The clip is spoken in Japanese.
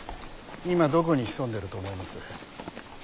今どこに潜んでると思います。